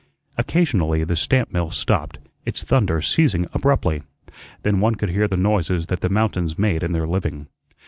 Occasionally the stamp mill stopped, its thunder ceasing abruptly. Then one could hear the noises that the mountains made in their living.